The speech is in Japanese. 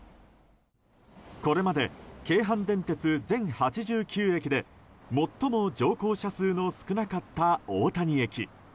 これまで京阪電鉄全８９駅で最も乗降者数の少なかった大谷駅。